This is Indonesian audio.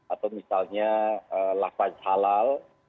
atau misalnya lafaz halal